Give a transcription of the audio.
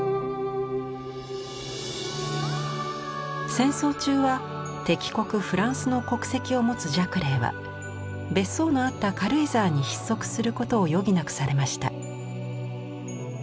戦争中は敵国フランスの国籍を持つジャクレーは別荘のあった軽井沢に逼塞することを余儀なくされました。